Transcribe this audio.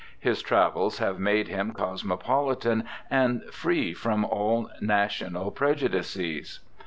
His travels have made him cosmopolitan and free from all national prejudices.